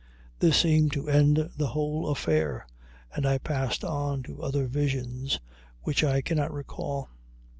This seemed to end the whole affair, and I passed on to other visions, which I cannot recall.